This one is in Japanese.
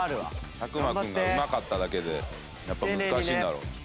作間君がうまかっただけでやっぱ難しいんだろう。